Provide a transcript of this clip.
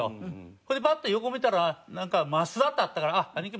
それでバッと横見たらなんか増田ってあったからあっ兄貴